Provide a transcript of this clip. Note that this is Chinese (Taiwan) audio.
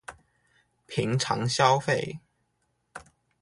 平常消費